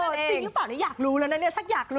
มันจริงหรือเปล่านี่อยากรู้แล้วนะเนี่ยชักอยากรู้